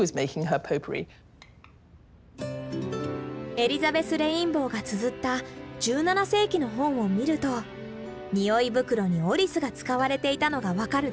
エリザベス・レインボーがつづった１７世紀の本を見ると匂い袋にオリスが使われていたのが分かるでしょう。